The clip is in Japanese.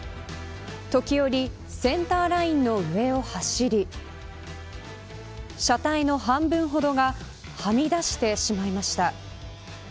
時折、センターラインの上を走り車体の半分ほどがはみ出してしまいました。